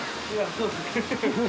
そうですね。